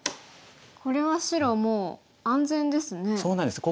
これは白もう安全ですね。